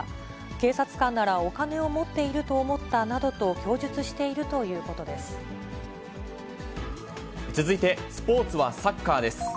警察官ならお金を持っていると思ったなどと供述しているというこ続いてスポーツはサッカーです。